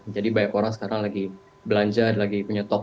jadi banyak orang sekarang lagi belanja lagi menyetor